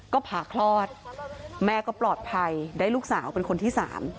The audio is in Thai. ก็ผ่าคลอดแม่ก็ปลอดภัยได้ลูกสาวเป็นคนที่๓